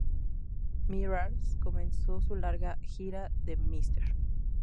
Mraz comenzó su larga gira de "Mr.